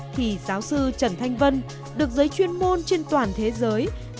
thì giáo sư trần thanh vân được giấy chuyên môn trên toàn thế giới của trung quốc